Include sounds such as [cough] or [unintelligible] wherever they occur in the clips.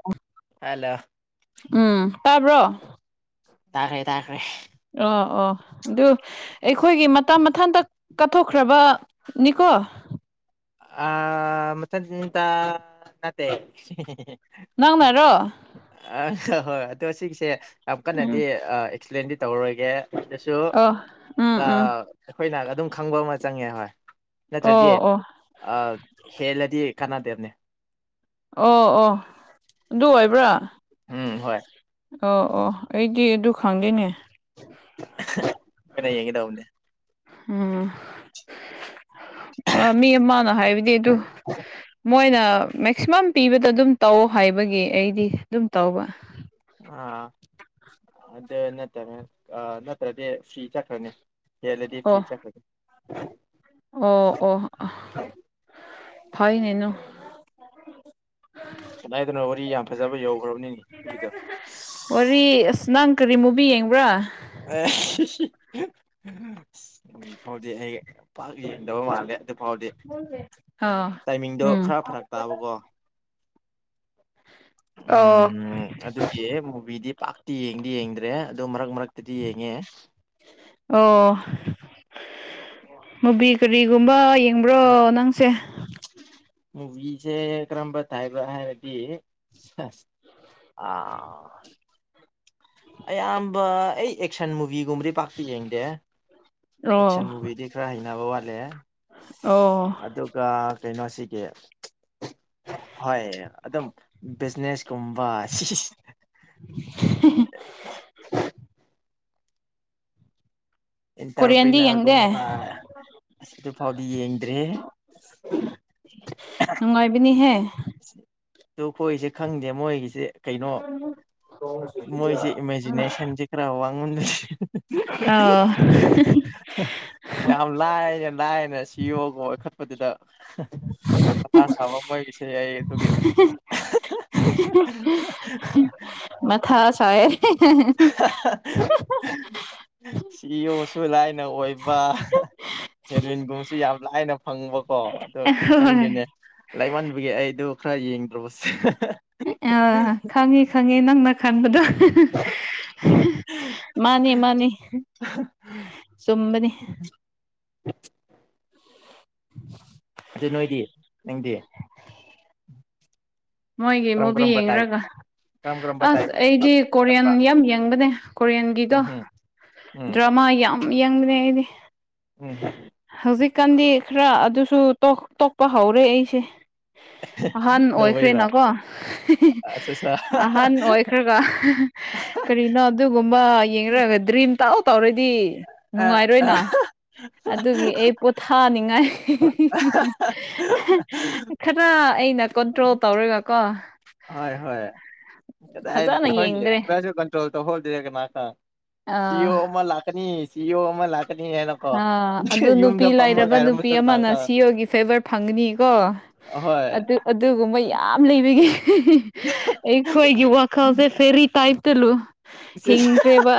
[unintelligible] ꯍꯂꫭ ꯎꯝ ꯇꯥꯕ꯭ꯔꯣ ꯇꯈ꯭ꯔꯦ ꯇꯈ꯭ꯔꯦ ꯑꯣ ꯑꯣ ꯑꯗꯨ ꯑꯩꯈꯣꯏꯒꯤ ꯃꯇ ꯃꯊꯟꯇ ꯀꯠꯊꯣꯛꯈ꯭ꯔꯕꯅꯤꯀꯣ ꯑꯊꯠꯇ ꯅꯠꯇꯦ ꯅꯪꯅꯔꯣ ꯑ ꯍꯣꯏ ꯑꯗꯣ ꯁꯤꯒꯤꯁꯦ ꯌꯥꯝ ꯀꯟꯅꯗꯤ ꯎꯝ ꯑꯦꯛꯁꯄ꯭ꯂꯦꯟꯗꯤ ꯇꯧꯔꯔꯣꯏꯒꯦ ꯁꯨ ꯑꯣ ꯎꯝ ꯎꯝ ꯑꯩꯈꯣꯏꯅ ꯑꯗꯨꯝ ꯈꯪꯕ ꯑꯃ ꯆꯪꯉꯦ ꯍꯣꯏ ꯑꯣ ꯅꯠꯇ꯭ꯔꯗꯤ ꯑꯣ ꯑ ꯍꯦꯜꯂꯗꯤ ꯀꯅꯗꯦꯕꯅꯦ ꯑꯣ ꯑꯣ ꯑꯗꯨ ꯑꯣꯏꯕ꯭ꯔꯥ ꯎꯝ ꯍꯣꯏ ꯑꯣ ꯑꯣ ꯑꯩꯗꯤ ꯗꯨ ꯈꯪꯗꯦꯅꯦ ꯑꯩꯅ ꯌꯦꯡꯒꯦ ꯇꯧꯕꯅꯦ ꯎꯝ ꯃꯤ ꯑꯃꯅ ꯍꯥꯏꯕꯗꯤ ꯑꯗꯨ ꯃꯣꯏꯅ ꯃꯦꯛꯁꯤꯃꯝ ꯄꯤꯕꯗ ꯑꯗꯨꯝ ꯇꯧ ꯍꯥꯏꯕꯒꯤ ꯑꯩꯗꯤ ꯑꯗꯨꯝ ꯇꯧꯕ ꯑꯥ ꯑꯗꯨ ꯅꯠꯇ ꯑ ꯅꯠꯇ꯭ꯔꯗꯤ ꯐꯤ ꯆꯠꯈ꯭ꯔꯅꯤ ꯀꯂꯗꯤ ꯑꯣ ꯐꯔꯤ ꯆꯠꯈꯔꯦ ꯑꯣ ꯑꯣ ꯐꯥꯏꯅꯦꯅꯨ ꯀꯅꯥꯏꯗꯅ ꯋꯥꯔꯤ ꯌꯥꯝ ꯐꯖꯕ ꯌꯧꯈ꯭ꯔꯕꯅꯤꯅꯦ ꯇꯤꯚꯤꯗ ꯋꯥꯔꯤ ꯑꯁ ꯅꯪ ꯀꯔꯤ ꯃꯨꯕꯤ ꯌꯦꯡꯕ꯭ꯔꯥ ꯑꯦ ꯍꯧꯖꯤ ꯐꯥꯎꯗꯤ ꯑꯩ ꯄꯥꯛ ꯌꯦꯡꯗꯕ ꯃꯥꯜꯂꯦ ꯑꯗꯨ ꯐꯥꯎꯗꯦ ꯑꯥ ꯇꯥꯏꯃꯤꯡꯗꯣ ꯎꯝ ꯈꯔ ꯐꯔꯛ ꯇꯕꯀꫭ ꯑꯣ ꯎꯝ ꯑꯗꯨꯒꯤ ꯃꯨꯚꯤꯗꯤ ꯄꯥꯛꯇꯤ ꯌꯦꯡꯗꯤ ꯌꯦꯡꯗ꯭ꯔꯦ ꯑꯗꯣ ꯃꯔꯛ ꯃꯔꯛꯇꯗꯤ ꯌꯦꯡꯉꯦ ꯑꯣ ꯃꯨꯕꯤ ꯀꯔꯤꯒꯨꯝꯕ ꯌꯦꯡꯕ꯭ꯔꯣ ꯅꯪꯁꯦ ꯃꯨꯕꯤꯁꯦ ꯀꯔꯝꯕ ꯇꯥꯏꯕ ꯍꯥꯏꯔꯗꯤ ꯑꯥ ꯑꯌꯥꯝꯕ ꯑꯩ ꯑꯦꯛꯁꯟ ꯃꯨꯚꯤꯒꯨꯝꯕꯗꯤ ꯄꯥꯛꯇꯥ ꯌꯦꯡꯗꯦ ꯑꯦꯛꯁꯟ ꯑꯣ ꯃꯨꯚꯤꯗꯤ ꯈꯔ ꯍꯩꯅꯕ ꯋꯥꯠꯂꯦ ꯑꯣ ꯑꯗꯨ ꯑꯥ ꯀꯩꯅꯣꯁꯤꯒꯤ ꯍꯣꯏ ꯑꯗꯨꯝ ꯕꯤꯖꯤꯅꯦꯁ ꯀꯨꯝꯕ [unintelligible] [unintelligible] ꯀꯣꯔꯤꯌꯟꯗꯤ ꯌꯦꯡꯗꯦ ꯏꯟꯇꯔꯄ꯭ꯔꯤꯅꯔꯒꯨꯝꯕ ꯑꯁꯤ ꯐꯥꯎꯗꯤ ꯌꯦꯡꯗ꯭ꯔꯦ ꯅꯨꯡꯉꯥꯏꯕꯤꯅꯤꯍꯦ ꯑꯗꯨ ꯈꯣꯏꯁꯦ ꯈꯪꯗꯦ ꯃꯣꯏꯒꯤꯁꯦ ꯀꯩꯅꯣ [unintelligible] ꯃꯣꯏꯁꯦ ꯏꯃꯦꯖꯤꯅꯦꯁꯟꯁꯤ ꯈꯔꯥ ꯋꯥꯡꯒꯟꯕꯁꯤ ꯑꯥꯎ [unintelligible] ꯌꯥꯝ ꯂꯥꯏꯅ ꯂꯥꯏꯅ ꯁꯤꯌꯣꯀꯣ ꯑꯣꯏꯈꯠꯄꯗꯨꯗ ꯃꯊꯥ ꯁꯥꯕ ꯃꯣꯏꯒꯤꯁꯦ ꯑꯩ ꯑꯗꯨꯒꯤ [unintelligible] ꯃꯊꯥ ꯁꯥꯏꯌꯦ [unintelligible] [unintelligible] ꯏꯌꯣꯁꯨ ꯂꯥꯏꯅ ꯑꯣꯏꯕ ꯍꯦꯔꯣꯏꯟꯒꯨꯝꯕꯁꯨ ꯌꯥꯝ ꯂꯥꯏꯅ ꯐꯪꯕꯀꯣ ꯑꯗꯣ ꯈꯪꯗꯦꯅꯦ ꯂꯩꯃꯟꯕꯒꯤ ꯑꯩꯗꯣ ꯈꯔ ꯌꯦꯡꯗ꯭ꯔꯕꯁꯦ ꯑꯥ ꯈꯪꯉꯤ ꯈꯪꯉꯤ ꯅꯪꯅ ꯈꯟꯕꯗꯣ [unintelligible] ꯃꯥꯅꯤ ꯃꯥꯅꯤ ꯆꯨꯝꯕꯅꯤ [unintelligible] [unintelligible] ꯑꯗꯨ ꯅꯣꯏꯗꯤ ꯅꯪꯗꯤ ꯃꯣꯏꯒꯤ ꯀꯔꯝ ꯃꯨꯕꯤ ꯀꯔꯝꯕ ꯇꯥꯏꯞ ꯌꯦꯡꯔꯒꯥ ꯀꯔꯝ ꯀꯔꯝꯕ ꯇꯥꯏꯞ ꯑꯁ ꯅꯣꯏꯗꯤ ꯑꯩꯗꯤ ꯀꯣꯔꯤꯌꯟ ꯌꯦꯡꯒꯟꯕ ꯌꯥꯝ ꯌꯦꯡꯕꯅꯦ ꯀꯣꯔꯤꯌꯟꯒꯤꯗꯣ ꯎꯝ ꯍꯝ ꯎꯝ ꯗ꯭ꯔꯥꯃꯥ ꯌꯥꯝ ꯌꯥꯡꯕꯅꯦ ꯑꯩꯗꯤ ꯎꯝ ꯍꯧꯖꯤꯛꯀꯥꯟꯗꯤ ꯈꯔ ꯑꯗꯨꯁꯨ ꯇꯣꯛꯄ ꯍꯧꯔꯦ ꯑꯩꯁꯦ ꯑꯍꯥꯟ ꯑꯣꯏ ꯀꯩꯗꯧꯕꯩꯔꯣ ꯈ꯭ꯔꯦꯅꯀꯣ ꯑꯠꯆꯥ ꯑꯠꯆꯥ ꯑꯍꯟ ꯑꯣꯏꯈ꯭ꯔꯒꯥ ꯀꯔꯤꯅꯣ ꯑꯗꯨꯒꯨꯝꯕ ꯌꯦꯡꯔꯒ ꯗ꯭ꯔꯤꯝ ꯇꯥꯎ ꯇꯧꯔꯗꯤ ꯑ ꯑ ꯅꯨꯡꯉꯥꯏꯔꯣꯏꯅ ꯑꯗꯨꯒꯤ ꯑꯩ ꯄꯣꯊꯥꯅꯤꯉꯥꯏ ꯈꯔ ꯑꯩꯅ ꯀꯣꯟꯇ꯭ꯔꯣꯜ ꯇꯧꯔꯒꯀꯣ ꯍꯣꯏ ꯍꯣꯏ ꯀꯗꯥꯏ ꯐꯖꯅ ꯌꯦꯡꯗ꯭ꯔꯦ [unintelligible] ꯀꯟ꯭ꯇꯔꯣꯜ ꯇꯧꯍꯧꯗꯦꯒꯥ ꯃꯥ ꯑꯥ ꯁꯤꯌꯣ ꯑꯃ ꯂꯥꯛ ꯥꯀꯥꯅꯤ ꯁꯤꯌꯣ ꯑꯃ ꯂꯥꯛꯀꯅꯤ ꯍꯥꯏꯅ ꯍꯥ ꯑꯗꯨ ꯅꯨꯄꯤ ꯂꯩꯏꯔꯕ ꯅꯨꯄꯤ ꯑꯃꯅ ꯀꯅꯥ ꯁꯤ ꯑꯣꯒꯤ ꯐꯦꯚꯔ ꯐꯪꯒꯅꯤꯀꯣ ꯍꯣꯏ ꯑꯗꯨ ꯑꯗꯨꯒꯨꯝꯕ ꯌꯥꯝ ꯂꯩꯕꯒꯤ ꯑꯩꯈꯣꯏꯒꯤ ꯋꯥꯈꯜꯁꯦ ꯐꯦꯔꯤ ꯇꯥꯏꯇꯥꯂꯨ ꯍꯤꯡꯈ꯭ꯔꯦꯕ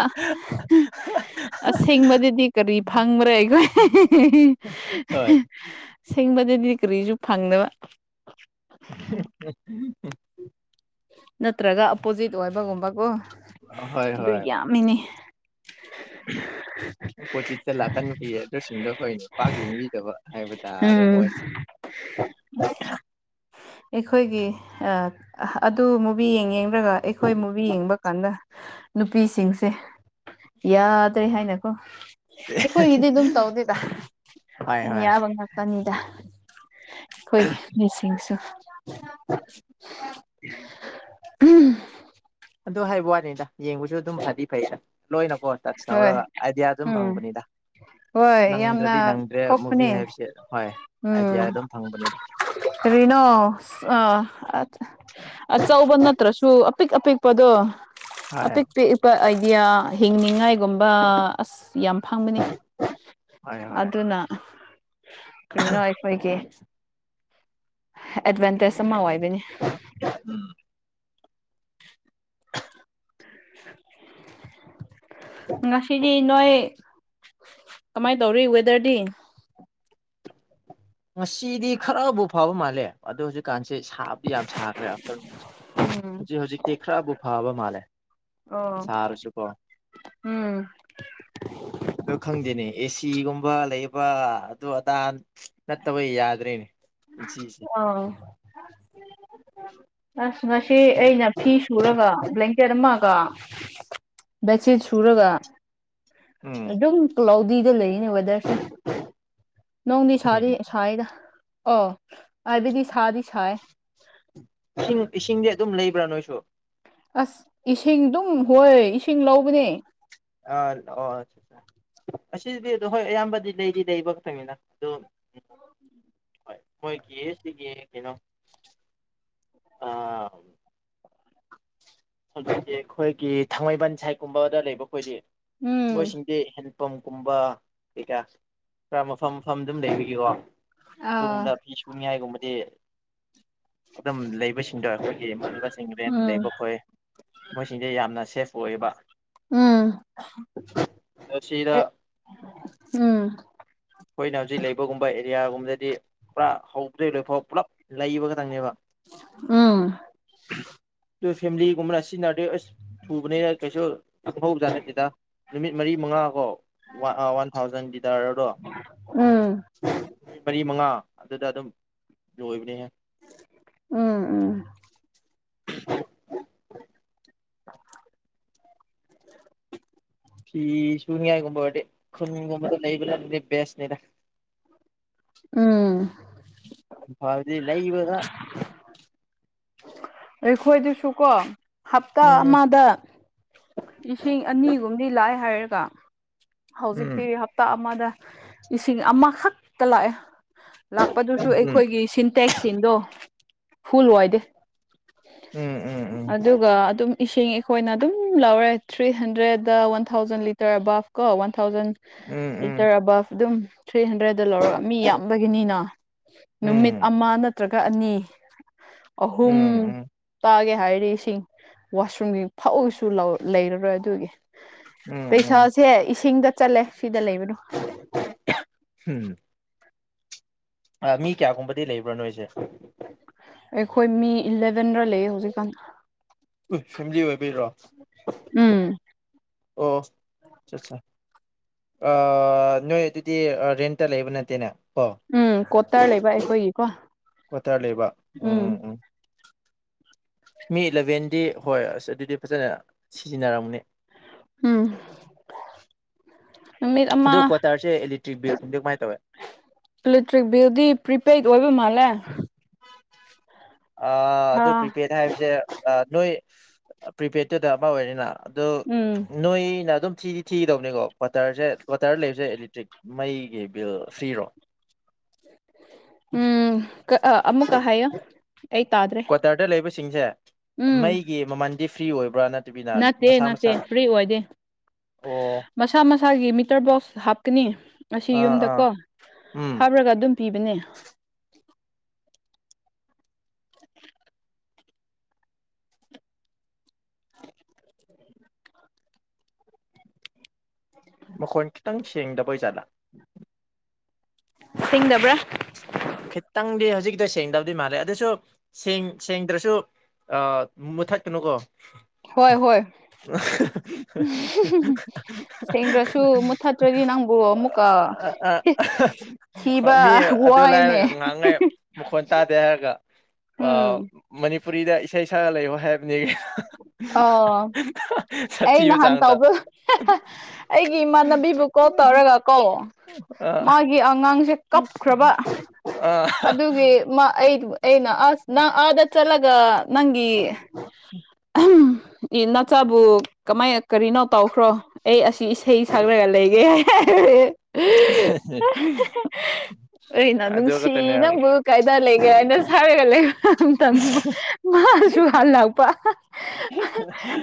ꯑꯁꯦꯡꯕꯗꯨꯗꯤ ꯀꯔꯤ ꯐꯪꯕ꯭ꯔꯥ ꯑꯩꯈꯣꯏ ꯍꯣꯏ ꯁꯦꯡꯕꯗꯗꯤ ꯀꯔꯤꯁꯨ ꯐꯪꯗꯕ [unintelligible] ꯅꯠꯇ꯭ꯔꯒ ꯑꯄꯣꯖꯤꯠ ꯑꯣꯏꯕꯒꯨꯝꯕꯀꯣ ꯍꯣꯏ ꯍꯣꯏ ꯑꯥꯝꯃꯤꯅꯤ ꯑꯣꯄꯣꯖꯤꯠꯇ ꯂꯥꯛꯀꯟ ꯅꯨꯄꯤ ꯑꯗꯨꯁꯤꯡꯗꯣ ꯑꯈꯣꯏ ꯅꯨꯄꯥꯒꯤ ꯌꯦꯡꯕꯤꯗꯕ ꯍꯥꯏꯕ ꯇꯥꯔꯦ ꯎꯝ ꯃꯣꯏꯁ [unintelligible] ꯑꯩꯈꯣꯏꯒꯤ ꯑꯗꯨ ꯃꯨꯚꯤ ꯌꯦꯡ ꯌꯦꯡꯔꯒ ꯑꯩꯈꯣꯏ ꯅꯨꯄꯤ ꯌꯦꯡꯕ ꯀꯥꯟꯗ ꯅꯨꯄꯤꯁꯤꯡꯁꯦ ꯌꯥꯗ꯭ꯔꯦ ꯍꯥꯏꯅꯀꯣ ꯑꯩꯈꯣꯏꯒꯤꯗꯤ ꯑꯗꯨꯝ ꯇꯧꯗꯦꯗ ꯍꯣꯏ ꯍꯣꯏ ꯌꯥꯕ ꯉꯥꯛꯇꯅꯤꯗ ꯑꯈ‌ꯣꯏ ꯃꯤꯁꯤꯡꯁꯨ [unintelligible] ꯑꯗꯨ ꯍꯥꯏꯕ ꯋꯥꯅꯤꯗ ꯌꯦꯡꯕꯁꯨ ꯑꯗꯨꯝ ꯐꯩꯗꯤ ꯐꯩꯗ ꯂꯣꯏꯅ ꯑꯣ ꯇꯠꯖ ꯍꯣꯏ ꯇꯧꯔꯒ ꯑꯥꯏꯗꯤꯌꯥ ꯑꯗꯨꯝ ꯎꯝ ꯐꯪꯕꯅꯤꯗ ꯍꯣꯏ ꯌꯥꯝꯅ ꯅꯪꯗ꯭ꯔꯗꯤ ꯅꯪꯗ꯭ꯔꯦ ꯃꯨꯚꯤ ꯊꯣꯛꯄꯅꯦ ꯍꯥꯏꯕꯁꯦ ꯍꯣꯏ ꯑꯥꯏꯗꯤꯌꯥ ꯎꯝ ꯑꯗꯨꯝ ꯐꯪꯕꯅꯤꯗ ꯀꯔꯤꯅꯣ ꯑꯁ ꯑꯥ ꯑꯆꯥ ꯑꯆꯧꯕ ꯅꯠꯇ꯭ꯔꯁꯨ ꯑꯄꯤꯛ ꯑꯄꯤꯛꯄꯗꯣ ꯍꯣꯏ ꯑꯄꯤꯛ ꯄꯤꯛꯄ ꯑꯥꯏꯗꯤꯌꯥ ꯍꯤꯡꯅꯤꯡꯉꯥꯏꯒꯨꯝꯕ ꯑꯁ ꯌꯥꯝ ꯐꯪꯕꯅꯤ ꯍꯣꯏ ꯍꯣꯏ ꯑꯗꯨꯅ ꯀꯔꯤꯅꯣ ꯑꯩꯈꯣꯏꯒꯤ ꯑꯦꯗꯚꯦꯟꯇꯦꯖ ꯑꯃ ꯑꯣꯏꯕꯅꯤ ꯎꯝ ꯉꯁꯤꯗꯤ ꯅꯣꯏ ꯀꯃꯥꯏ ꯇꯧꯔꯤ ꯋꯦꯗꯔꯗꯤ ꯉꯁꯤꯗꯤ ꯈꯔꯕꯨꯥ ꯐꯕ ꯃꯥꯜꯂꯦ ꯑꯗꯣ ꯍꯨꯖꯤꯛ ꯀꯥꯟꯁꯦ ꯁꯥꯕꯗꯤ ꯌꯥꯝ ꯁꯥꯈ꯭ꯔꯦ ꯑꯥꯐꯇꯔꯅꯨꯟꯁꯦ ꯎꯝ ꯍꯧꯖꯤꯛ ꯍꯧꯖꯤꯛꯇꯤ ꯈꯔꯕꯨ ꯐꯕ ꯃꯥꯜꯂꯦ ꯑꯣ ꯁꯥꯔꯁꯨꯀꯣ ꯎꯝ ꯑꯗ‌ꯣ ꯈꯪꯗꯦꯅꯦ ꯑꯦꯁꯤꯒꯨꯝꯕ ꯂꯩꯕ ꯑꯗꯨ ꯑꯗꯥ ꯅꯠꯇꯕ ꯌꯥꯗ꯭ꯔꯦꯅꯦ ꯄꯨꯟꯁꯤꯁꯦ ꯑꯪ ꯑꯁ ꯉꯁꯤ ꯑꯩꯅ ꯐꯤ ꯁꯨꯔꯒ ꯕ꯭ꯂꯦꯡꯀꯦꯠ ꯑꯃ ꯀ ꯕꯦꯠꯁꯤꯠ ꯁꯨꯔꯒ ꯎꯝ ꯑꯗꯨꯝ ꯀ꯭ꯂꯥꯎꯗꯤꯗ ꯂꯩꯔꯤꯅꯦ ꯋꯦꯗꯔꯁꯦ ꯅꯣꯡꯗꯤ ꯁꯥꯗꯤ ꯁꯥꯏꯌ‌ꯦꯗ ꯑ‌ꯣ ꯍꯥꯏꯕꯗꯤ ꯁꯥꯗꯤ ꯁꯥꯏ ꯏꯁꯤꯡ ꯏꯁꯤꯡꯗꯤ ꯑꯗꯨꯝ ꯂꯩꯕ꯭ꯔꯥ ꯅꯣꯏꯁꯨ ꯑꯁ ꯏꯁꯤꯡ ꯑꯗꯨꯝ ꯍꯣꯏ ꯏꯁꯤꯡ ꯂꯧꯕꯅꯦ ꯑ ꯑꯣ ꯑꯁꯤꯗꯤ ꯑꯗꯣ ꯍꯣꯏ ꯑꯌꯥꯝꯕꯗꯤ ꯂꯩꯗꯤ ꯂꯩꯕ ꯈꯛꯇꯅꯤꯅ ꯑꯗ‌ꯣ ꯎꯝ ꯍꯣꯏ ꯃ‌ꯣꯏꯒꯤ ꯁꯤꯒꯤ ꯀꯩꯅꯣ ꯑ ꯍꯧꯖꯤꯛꯗꯤ ꯑꯩꯈꯣꯏꯒꯤ ꯊꯥꯡꯃꯩꯕꯟ ꯁꯥꯏꯠꯀꯨꯝꯕꯗ ꯂꯩꯕ ꯑꯩꯈꯣꯏꯗꯤ ꯎꯝ ꯃꯣꯏꯁꯤꯡꯗꯤ ꯍ‌ꯦꯟ ꯄꯝ ꯀꯨꯝꯕ ꯀꯩꯀꯥ ꯈꯔ ꯃꯐꯝ ꯃꯐꯝ ꯗꯨꯝ ꯂꯩꯕꯒꯤꯀꯣ ꯑꯗꯨꯒꯨꯝꯕ ꯑꯥ ꯐꯤ ꯁꯨꯅꯤꯉꯥꯏꯒꯨꯝꯕꯗꯤ ꯑꯗꯨꯝ ꯂꯩꯕꯁꯤꯡꯗꯣ ꯑꯩꯈꯣꯏꯒꯤ ꯔꯦꯟ ꯂꯩꯕ ꯎꯝ ꯈꯣꯏ ꯃꯣꯏꯁꯤꯡꯁꯦ ꯌꯥꯝꯅ ꯁꯦꯐ ꯑꯣꯏꯌꯦꯕ ꯎꯝ ꯑꯁꯤꯗ ꯎꯝ ꯑꯩꯈꯣꯏꯅ ꯍꯧꯖꯤꯛ ꯂꯩꯕꯒꯨꯝꯕ ꯑꯦꯔꯤꯌꯥꯒꯨꯝꯕꯗꯗꯤ ꯄꯨꯔꯥ ꯍꯧꯕꯗꯩ ꯂꯣꯏꯐꯥꯎ ꯄꯨꯂꯞ ꯂꯩꯕ ꯈꯛꯇꯪꯅꯦꯕ ꯎꯝ ꯑꯗꯨ ꯐꯦꯃꯤꯂꯤꯒꯨꯝꯕꯅ ꯁꯤꯖꯤꯟꯅꯔꯗꯤ ꯑꯁ ꯊꯨꯕꯅꯤꯅ ꯀꯩꯁꯨ ꯈꯪꯍꯧꯕꯖꯥꯠ ꯅꯠꯇꯦꯗ ꯅꯨꯃꯤꯠ ꯃꯔꯤ ꯃꯉꯥꯀꯣ ꯋꯥ ꯋꯥꯟ ꯊꯥꯎꯖꯟ ꯂꯤꯇꯔꯗꯣ ꯎꯝ ꯃꯔꯤ ꯃꯉꯥ ꯑꯗꯨꯗ ꯑꯗꯨꯝ ꯂꯣꯏꯕꯅꯦꯍꯦ ꯎꯝ ꯎꯝ [unintelligible] [unintelligible] ꯐꯤ ꯁꯨꯅꯤꯡꯉꯥꯏꯒꯨꯝꯕ ꯑꯣꯏꯔꯗꯤ ꯈꯨꯟꯒꯨꯝꯕꯗ ꯂꯩꯕꯅꯗꯤ ꯕꯦꯁꯅꯤꯗ ꯎꯝ ꯝ ꯐꯗꯤ ꯂꯩꯕꯗ ꯑꯩꯈꯣꯏꯗꯨꯁꯨ ꯀꯣ ꯍꯞꯇꯥ ꯎꯝ ꯑꯃꯗ ꯂꯤꯁꯤꯡ ꯑꯅꯤꯒꯨꯝꯕꯗꯤ ꯂꯥꯛꯑꯦ ꯍꯥꯏꯔꯒ ꯎꯝ ꯍꯧꯖꯤꯛꯇꯤ ꯍꯞꯇꯥ ꯑꯃꯗ ꯏꯁꯤꯡ ꯑꯃꯈꯛꯇ ꯂꯥꯛꯑꯦ ꯂꯥꯛꯄꯗꯨꯁꯨ ꯎꯝ ꯑꯩꯈꯣꯏꯒꯤ ꯁꯤꯟꯇꯦꯛꯁꯤꯡꯗꯣ ꯐꯨꯜ ꯑꯣꯏꯗꯦ ꯎꯝ ꯎꯝ ꯎꯝ ꯑꯗꯨꯒ ꯑꯗꯨꯝ ꯏꯁꯤꯡ ꯑꯩꯈꯣꯏꯅ ꯑꯗꯨꯝ ꯂꯧꯔꯦ three hundred one thousand litre ꯑꯕꯥꯞ ꯀꯣ one thousand um um litre ꯑꯕꯞ ꯑꯗꯨꯝ ꯊ꯭ꯔꯤ ꯍꯟꯗ꯭ꯔꯦꯗ ꯂꯧꯔꯒ ꯃꯤ ꯌꯥꯝꯕꯗꯒꯤꯅꯤꯅ ꯅꯨꯃꯤꯠ ꯎꯝ ꯑꯃ ꯅꯠꯇ꯭ꯔꯒ ꯑꯅꯤ ꯎꯝ ꯑꯍꯨꯝ ꯎꯝ ꯇꯥꯒꯦ ꯍꯥꯏꯔꯤ ꯏꯁꯤꯡ ꯋꯥꯁꯔꯨꯝꯒꯤ ꯐꯛꯑꯣꯁꯨ ꯂꯩꯔꯔꯣꯏ ꯑꯗꯨꯒꯤ ꯎꯝ ꯄꯩꯁꯥ ꯎꯝ ꯁꯦ ꯏꯁꯤꯡꯗ ꯆꯠꯂꯦ ꯁꯤꯗ ꯂꯩꯕꯅꯣ ꯎꯝ ꯃꯤ ꯀꯌꯥꯒꯨꯝꯕꯗꯤ ꯂꯩꯕ꯭ꯔꯥ ꯅꯣꯏꯁꯦ ꯑꯩꯈꯣꯏ ꯃꯤ ꯏꯂꯚꯦꯟꯗ ꯂꯩꯌꯦ ꯍꯧꯖꯤꯛꯀꯥꯟ ꯎ ꯐꯦꯃꯤꯂꯤ ꯑꯣꯏꯕꯤꯔꯣ ꯎꯝ ꯑꯣ ꯑ ꯑꯆꯥ ꯅꯣꯏ ꯑꯗꯨꯗꯤ ꯔꯦꯟꯇ ꯂꯩꯕ ꯅꯠꯇꯦꯅꯦ ꯑꯣ ꯎꯝ ꯀ꯭ꯋꯥꯇꯔ ꯂꯩꯕ ꯑꯩꯈꯣꯏꯒꯤꯀꯣ ꯀ꯭ꯋꯥꯇꯥꯔ ꯂꯩꯕ ꯎꯝ ꯎꯝ ꯎꯝ ꯃꯤ ꯏꯂꯚꯦꯟꯗꯤ ꯍꯣꯏ ꯑꯁ ꯑꯗꯨꯗꯤ ꯐꯖꯅ ꯁꯤꯖꯤꯟꯅꯔꯝꯅꯤ ꯎꯝ ꯅꯨꯃꯤꯠ ꯑꯃ ꯑꯗꯨ ꯀ꯭ꯋꯥꯇꯥꯔꯁꯦ ꯏꯂꯦꯛꯇ꯭ꯔꯤꯛ ꯜꯗꯤ ꯀꯃꯥꯏꯅ ꯇꯧꯦ ꯏꯂꯦꯛꯇ꯭ꯔꯤꯛ ꯕꯤꯜꯗꯤ ꯄ꯭ꯔꯤꯄꯦꯗ ꯑꯣꯏꯕ ꯃꯥꯜꯂꯦ ꯊꯥ ꯑꯗꯨ ꯄ꯭ꯔꯤꯄꯦꯗ ꯍꯥꯏꯕꯁꯦ ꯅꯣꯏ ꯄ꯭ꯔꯤꯄꯦꯗꯠꯇꯨꯗ ꯑꯃ ꯑꯣꯏꯔꯤꯅ ꯑꯗꯣ ꯎꯝ ꯅꯣꯏꯅ ꯑꯗꯨꯝ ꯊꯤꯗꯤ ꯊꯤꯗꯧꯅꯤꯀꯣ ꯋꯥꯇꯔꯁꯦ ꯇꯔ ꯂꯩꯕꯁꯦ ꯑꯦꯂꯦꯛꯇ꯭ꯔꯤꯛ ꯃꯩꯒꯤ ꯕꯤꯜ ꯐ꯭ꯔꯤꯔꯣ ꯎꯝ ꯑꯃꯨꯛꯀ ꯍꯥꯏꯌꯣ ꯑꯩ ꯇꯥꯗ꯭ꯔꯦ ꯗꯇꯔꯗ ꯂꯩꯕꯁꯤꯡꯁꯦ ꯎꯝ ꯃꯩꯒꯤ ꯃꯃꯜꯗꯤ ꯐ꯭ꯔꯤ ꯑꯣꯏꯕ꯭ꯔꯥ ꯅꯠꯇ ꯅꯠꯇꯦ ꯅꯠꯇꯦ ꯐ꯭ꯔꯤ ꯑꯣꯏꯗꯦ ꯑꯣ ꯃꯁꯥ ꯃꯁꯥꯒꯤ ꯃꯤꯇꯔ ꯕꯣꯛꯁ ꯍꯥꯞꯀꯅꯤ ꯑꯁꯤ ꯑꯥ ꯌꯨꯝꯗ ꯑꯥ ꯀꯣ ꯎꯝ ꯍꯥꯞꯔꯒ ꯑꯗꯨꯝ ꯄꯤꯕꯅꯦ ꯃꯈꯣꯟ ꯈꯤꯇꯪ ꯁꯦꯡꯗꯕ ꯖꯥꯠꯂ ꯊꯁꯤꯡꯗꯕ꯭ꯔꯥ ꯈꯤꯇꯪꯗꯤ ꯍꯧꯖꯤꯛꯀꯤꯗ ꯁꯦꯡꯗꯕꯗꯤ ꯃꯥꯜꯂꯦ ꯑꯗꯨꯁꯨ ꯁꯦꯡꯗ꯭ꯔꯁꯨ ꯑ ꯃꯨꯊꯠ ꯀꯅꯨꯀꯣ ꯍꯣꯏ ꯍꯣꯏ [unintelligible] ꯁꯦꯡꯗ꯭ꯔꯁꯨ ꯃꯨꯠꯊꯠꯇ꯭ꯔꯗꯤ ꯅꯪꯕꯨ ꯑꯃꯨꯛꯀ ꯑ ꯊꯤꯕ ꯃꯤ ꯑꯗꯨ ꯋꯥꯏꯅꯦ ꯂꯥꯏꯔꯒ ꯉꯍꯥꯡꯉꯩ ꯃꯈꯣꯟ ꯇꯥꯗꯦ ꯍꯥꯏꯔꯒ ꯑ ꯎꯝ ꯃꯅꯤꯄꯨꯔꯤꯗ ꯏꯁꯩ ꯏꯁꯥꯒ ꯂꯩꯌꯣ ꯍꯥꯏꯕꯅꯦ ꯑꯣ ꯑꯩ ꯁꯥꯊꯤꯕ ꯅꯍꯥꯟ ꯆꯥꯡꯗ ꯇꯥꯎꯕ ꯑꯩꯒꯤ ꯏꯃꯥꯟꯅꯕꯤꯕꯨ ꯀꯣ ꯇꯧꯔꯒ ꯀꯣ ꯑ ꯒꯤ ꯑꯉꯥꯡꯁꯦ ꯀꯞꯈ꯭ꯔꯕ ꯑꯥ ꯑꯗꯨꯒꯤ ꯃꯥ ꯑꯩꯩꯅ ꯅꯗ ꯆꯂꯒ ꯅꯪꯒꯤ ꯎ ꯏ ꯅꯆꯥꯕꯨ ꯀꯃꯥꯏ ꯀꯔꯤꯅꯣ ꯇꯧꯈ꯭ꯔꯣ ꯑꯩ ꯑꯁꯤ ꯏꯁꯩ ꯁꯛꯔꯒ ꯂꯩꯒꯦ [inaudible] ꯑꯩꯅ ꯑꯗꯨ ꯅꯨꯡꯁꯤ ꯈꯛꯇꯅꯦ ꯅꯪꯕꯨ ꯀꯥꯏꯗ ꯂꯩꯒꯦ ꯍꯥꯏꯅ ꯁꯥꯔꯒ ꯂꯩꯍꯧ ꯃꯇꯝ ꯃꯥꯁꯨ ꯍꯜꯂꯛꯄ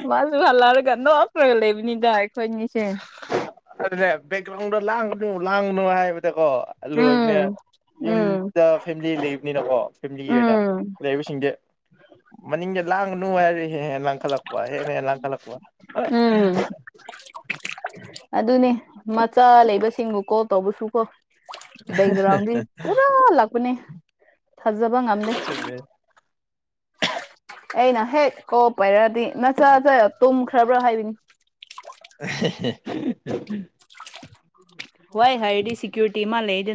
ꯃꯥꯁꯨ ꯍꯥꯂꯥꯔꯒꯥ ꯅꯣꯛꯇꯒ ꯂꯩꯕꯅꯤꯗ ꯑꯩꯈꯣꯏꯅꯤꯁꯦ ꯑꯗꯨꯅꯦ ꯕꯦꯛꯒ꯭ꯔꯥꯎꯟꯗ ꯂꯥꯡꯒꯅꯨ ꯂꯥꯡꯒꯅꯨ ꯍꯥꯏꯕꯗꯒꯣ ꯑꯥꯂꯣꯏꯕꯅꯦ ꯎꯝ ꯎꯝ ꯌꯨꯝꯗ ꯐꯦꯃꯤꯂꯤ ꯂꯩꯕꯅꯤꯅꯀꯣ ꯐꯦꯃꯤꯂꯤꯒꯤ ꯑꯣꯏꯅ ꯎꯝ ꯂꯩꯕꯁꯤꯡꯗꯤ ꯃꯅꯤꯡꯗ ꯂꯥꯡꯒꯅꯨ ꯍꯥꯏꯔꯤ ꯍꯦꯟꯅ ꯂꯥꯡ ꯈꯠꯂꯛꯄꯥ ꯍꯦꯟꯅ ꯍꯦꯟꯅ ꯂꯥꯡꯈꯠꯂꯛꯄ ꯎꯝ ꯑꯗꯨꯅꯦ ꯃꯆꯥ ꯂꯩꯕꯁꯤꯡꯕꯨ ꯀꯣꯜ ꯇꯧꯕꯁꯨꯀꯣ ꯕꯦꯛꯒ꯭ꯔꯥꯎꯟꯗꯤ ꯄꯨꯔꯥ ꯂꯥꯛꯄꯅꯦ ꯊꯥꯖꯕ ꯉꯝꯗꯦ ꯆꯨꯝꯃꯦ ꯑꯦꯅ ꯍꯦꯠ ꯀꯣ ꯄꯥꯏꯔꯛꯑꯗꯤ ꯅꯆꯥꯗ ꯇꯨꯝꯈ꯭ꯔꯕ꯭ꯔꯥ ꯍꯥꯏꯕꯅꯤ [unintelligible] ꯍꯣꯏ ꯍꯥꯏꯗꯤ ꯁꯀ꯭ꯌꯨꯔꯤꯇꯤ ꯃꯥ ꯂꯩꯗ